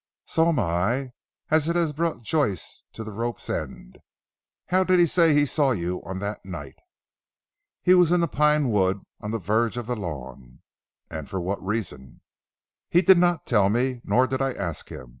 "So am I, as it has brought Joyce to the rope's end. How did he say he saw you on that night?" "He was in the Pine Wood; on the verge of the lawn." "And for what reason?" "He did not tell me; nor did I ask him.